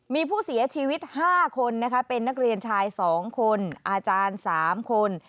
มีผู้เสียชีวิต๕คนนะคะเป็นนักเรียนชาย๒คนอาจารย์๓คน